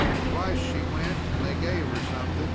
Twice she went and they gave her something.